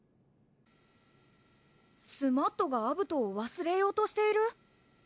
スマットがアブトを忘れようとしている？